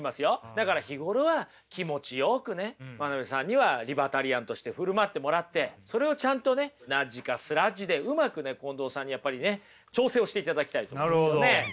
だから日頃は気持ちよくね真鍋さんにはリバタリアンとして振る舞ってもらってそれをちゃんとねナッジかスラッジでうまくね近藤さんにやっぱりね調整をしていただきたいと思うんですよね。